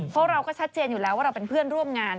เพราะเราก็ชัดเจนอยู่แล้วว่าเราเป็นเพื่อนร่วมงาน